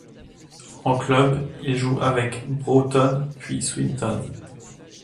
En club, il joue avec Broughton puis Swinton.